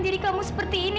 jadi kamu seperti ini